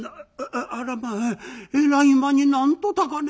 「あらまあえらい間になんと高値」。